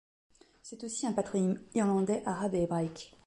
C'est aussi un patronyme irlandais, arabe et hébraïque.